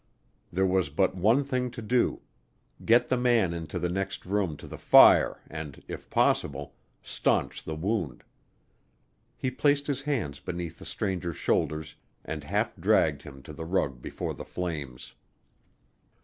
There was but one thing to do get the man into the next room to the fire and, if possible, staunch the wound. He placed his hands beneath the stranger's shoulders and half dragged him to the rug before the flames.